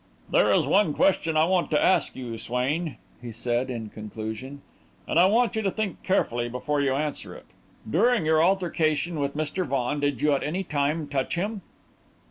"There is one question I want to ask you, Swain," he said, in conclusion, "and I want you to think carefully before you answer it. During your altercation with Mr. Vaughan, did you at any time touch him?"